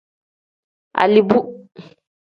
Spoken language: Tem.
Aliboo.